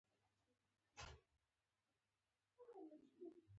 دلته د هخامنشي دورې د داریوش کتیبه موندل شوې